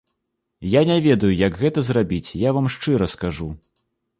Я не ведаю, як гэта зрабіць, я вам шчыра скажу.